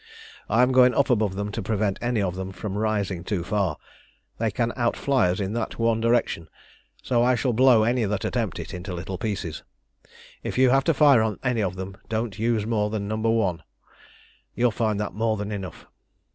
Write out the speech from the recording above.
"I am going up above them to prevent any of them from rising too far. They can outfly us in that one direction, so I shall blow any that attempt it into little pieces. If you have to fire on any of them, don't use more than No. 1; you'll find that more than enough.